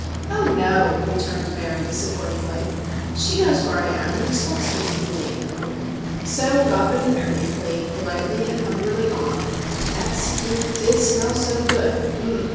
"Oh, no," returned Mary, disappointingly. "She knows where I am, and expects me to be late." So Robin and Ernie played politely and hungrily on (that stew did smell so good,—_um m!